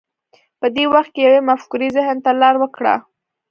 په دې وخت کې یوې مفکورې ذهن ته لار وکړه